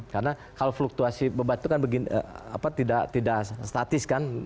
karena kalau fluktuasi beban itu kan tidak statis kan